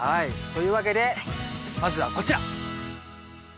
というわけでまずはこちら！